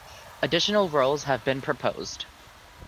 Additional roles have been proposed.